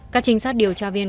các trinh sát điều tra viên